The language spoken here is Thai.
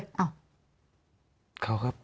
เขาครับ